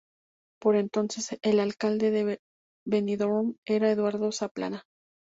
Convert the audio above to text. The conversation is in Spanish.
Por entonces, el alcalde de Benidorm era Eduardo Zaplana.